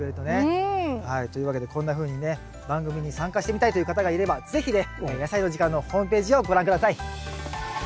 うん。というわけでこんなふうにね番組に参加してみたいという方がいれば是非ね「やさいの時間」のホームページをご覧下さい。